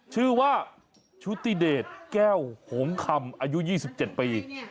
ชื่อว่าชุติเดชแก้วหงคำอายุ๒๗ปี